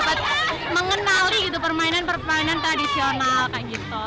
permainan permainan tradisional kak gito